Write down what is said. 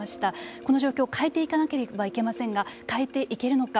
この状況を変えていかなければいけませんが変えていけるのか。